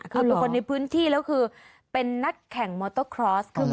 คือเป็นคนในพื้นที่แล้วคือเป็นนักแข่งมอเตอร์คลอส